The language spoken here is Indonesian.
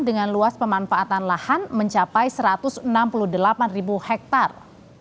dengan luas pemanfaatan lahan mencapai satu ratus enam puluh delapan ribu hektare